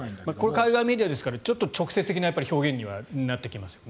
海外メディアですから直接的な表現になってきますよね。